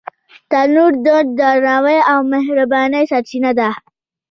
تنور د درناوي او مهربانۍ سرچینه ده